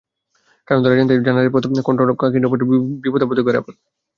কারণ তাঁরা জানতেন, জান্নাতের পথ কন্টকাকীর্ণ পথ, বিপদাপদে ঘেরা পথ।